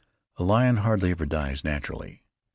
A lion hardly ever dies naturally.